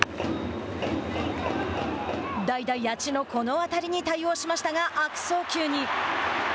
代打、谷内のこの当たりに対応しましたが、悪送球に。